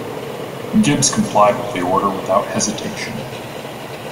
Gibbs complied with the order without hesitation.